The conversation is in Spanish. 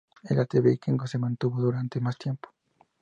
El arte vikingo se mantuvo durante más tiempo.